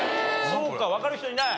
そうかわかる人いない？